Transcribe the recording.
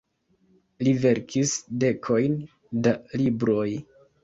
Li verkis dekojn da libroj.